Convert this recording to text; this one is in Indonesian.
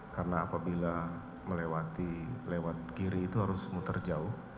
karena apabila melewati lewat kiri itu harus muter jauh